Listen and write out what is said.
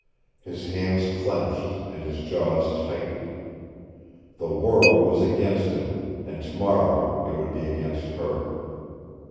His hands clenched and his jaws tightened. The world was against him, and tomorrow it would be against her.